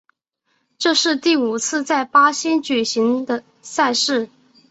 这是第五次在巴西举行赛事。